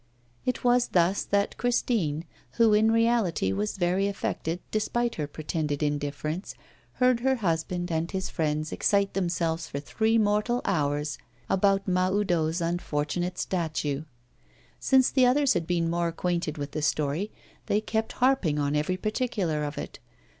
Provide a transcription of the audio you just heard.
It was thus that Christine, who in reality was very affected despite her pretended indifference, heard her husband and his friends excite themselves for three mortal hours about Mahoudeau's unfortunate statue. Since the others had been made acquainted with the story, they kept harping on every particular of it.